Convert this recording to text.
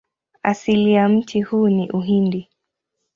Asili ya mti huu ni Uhindi.